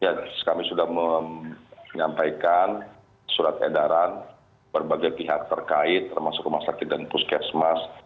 ya kami sudah menyampaikan surat edaran berbagai pihak terkait termasuk rumah sakit dan puskesmas